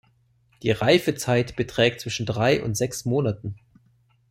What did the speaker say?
Die Reifezeit beträgt zwischen drei und sechs Monaten.